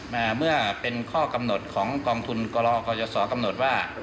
เมื่อเป็นข้อกำหนดของกองทุนกรกยศกำหนดว่า